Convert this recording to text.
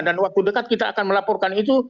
dan waktu dekat kita akan melaporkan itu